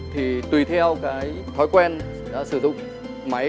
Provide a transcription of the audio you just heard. thì tùy theo cái thói quen sử dụng máy